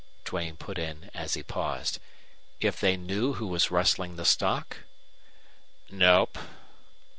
Duane put in, as he paused. "If they knew who was rustling the stock?" "Nope."